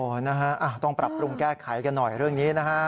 นะฮะต้องปรับปรุงแก้ไขกันหน่อยเรื่องนี้นะฮะ